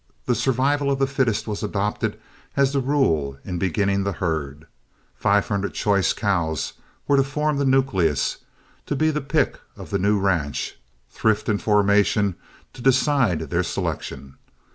The survival of the fittest was adopted as the rule in beginning the herd, five hundred choice cows were to form the nucleus, to be the pick of the new ranch, thrift and formation to decide their selection.